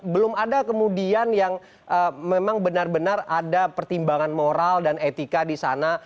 belum ada kemudian yang memang benar benar ada pertimbangan moral dan etika di sana